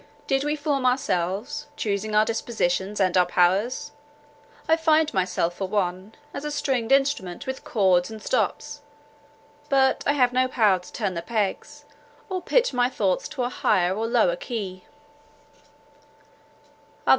"Did we form ourselves, choosing our dispositions, and our powers? I find myself, for one, as a stringed instrument with chords and stops—but I have no power to turn the pegs, or pitch my thoughts to a higher or lower key."